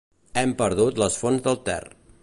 Hem perdut les fonts del Ter.